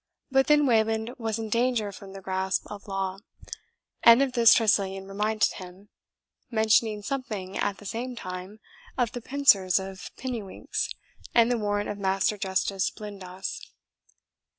But then Wayland was in danger from the grasp of law; and of this Tressilian reminded him, mentioning something, at the same time, of the pincers of Pinniewinks and the warrant of Master Justice Blindas.